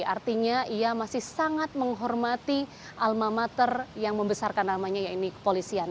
artinya ia masih sangat menghormati alma mater yang membesarkan namanya yaitu kepolisian